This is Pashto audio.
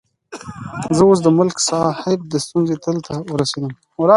زه اوس د ملک صاحب د ستونزې تل ته ورسېدلم.